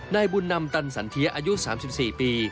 นายบุญนำตันสันเทียอายุ๓๔ปี